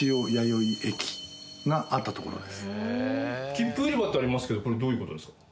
「きっぷうりば」ってありますけどこれどういう事ですか？